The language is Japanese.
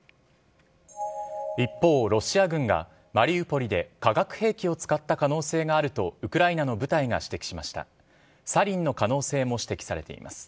一方、ロシア軍がマリウポリで化学兵器を使った可能性があるとウクライナの部隊が指摘しました。